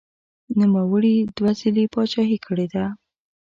نوموړي دوه ځلې پاچاهي کړې ده.